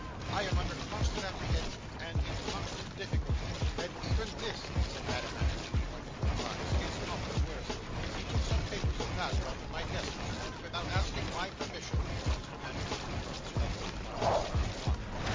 I am under constant apprehensions, and in constant difficulty. And even this,' said Madame Mantalini, wiping her eyes, 'is not the worst. He took some papers of value out of my desk this morning without asking my permission.' Mr. Mantalini groaned slightly, and buttoned his trousers pocket.